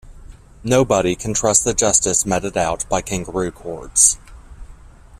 Nobody can trust the justice meted out by kangaroo courts.